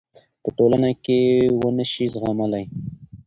پـه ټـولـنـه کـې ونشـي زغـملـى .